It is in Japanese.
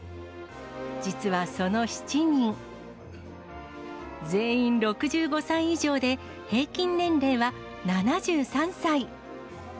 実はその７人、全員６５歳以上で、平均年齢は７３歳。